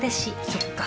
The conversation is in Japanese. そっか。